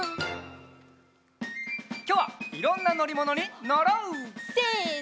きょうはいろんなのりものにのろう！せの。